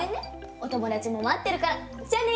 お友だちも待ってるからじゃあね！